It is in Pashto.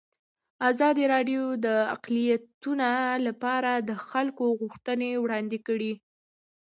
ازادي راډیو د اقلیتونه لپاره د خلکو غوښتنې وړاندې کړي.